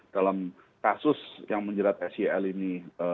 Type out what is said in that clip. dalam kasus yang menjerat sel ini